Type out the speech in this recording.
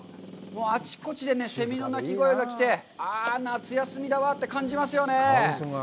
あちこちでセミの鳴き声が来てああ、夏休みだわって感じますよね。